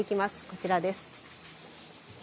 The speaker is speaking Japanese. こちらです。